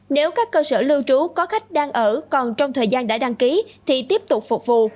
nếu các cơ sở lưu trú có khách đang ở còn trong thời gian đã đăng ký thì tiếp tục phục vụ